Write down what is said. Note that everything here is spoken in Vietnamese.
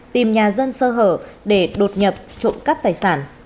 tìm nhà dân sơ hở để đột nhập trộm cắp tài sản